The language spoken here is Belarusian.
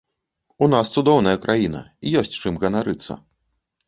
У нас цудоўная краіна, ёсць чым ганарыцца.